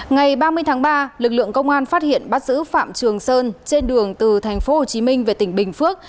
ngày ba mươi tháng ba lực lượng công an phát hiện bắt giữ phạm trường sơn trên đường từ tp hcm về tỉnh bình phước